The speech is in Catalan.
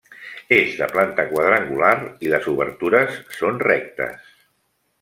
És de planta quadrangular i les obertures són rectes.